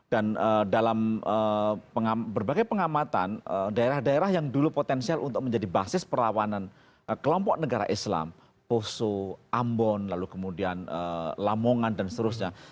dan dalam berbagai pengamatan daerah daerah yang dulu potensial untuk menjadi basis perlawanan kelompok negara islam poso ambon lalu kemudian lamongan dan seterusnya